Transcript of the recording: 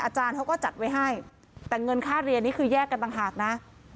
อาจารย์เขาก็จัดไว้ให้แต่เงินค่าเรียนนี่คือแยกกันต่างหากนะ